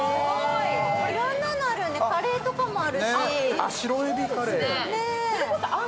いろんなのあるね、カレーとかもあるし。